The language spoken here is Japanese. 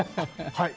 はい。